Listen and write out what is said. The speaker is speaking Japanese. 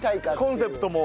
コンセプトも。